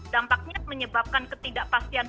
dampaknya menyebabkan ketidakpastian